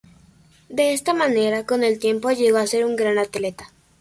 De esta manera, con el tiempo llegó a ser un gran atleta.